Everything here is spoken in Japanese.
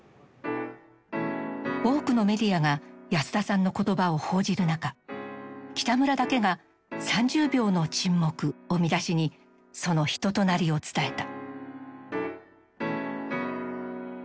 多くのメディアが安田さんの言葉を報じる中北村だけが「３０秒の沈黙」を見出しにその人となりを伝えた。